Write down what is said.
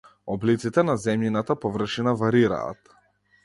Облиците на земјината површина варираат.